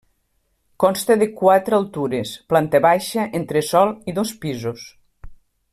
Consta de quatre altures, planta baixa, entresòl i dos pisos.